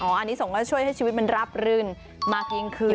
อ๋ออันนี้สมก็จะช่วยให้ชีวิตมันรับรื่นมาเพียงขึ้น